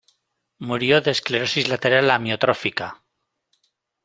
Murió de esclerosis lateral amiotrófica.